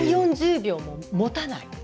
３、４０秒ももたない。